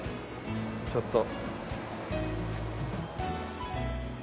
ちょっと。